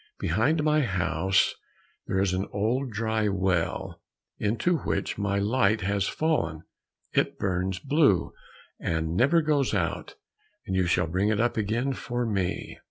Behind my house, there is an old dry well, into which my light has fallen, it burns blue, and never goes out, and you shall bring it up again for me."